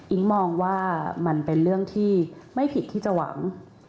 มองว่ามันเป็นเรื่องที่ไม่ผิดที่จะหวัง